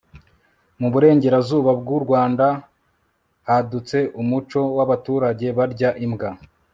mu burengerazuba bw'u rwanda, hadutse umuco w'abaturage barya imbwa